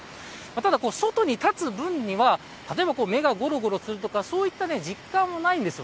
ただ、外に立つ分には目がごろごろするとかそういった実感はないんです。